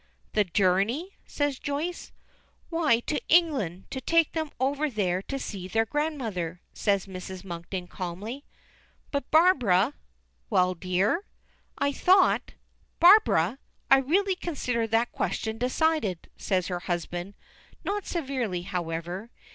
"The journey?" says Joyce. "Why, to England, to take them over there to see their grandmother," says Mrs. Monkton calmly. "But, Barbara " "Well, dear?" "I thought " "Barbara! I really consider that question decided," says her husband, not severely, however.